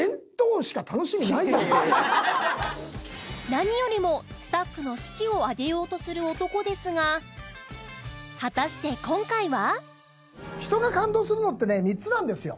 何よりもスタッフの士気を上げようとする男ですが果たして今回は？